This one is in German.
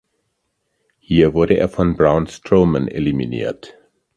Hier wurde er von Braun Strowman eliminiert.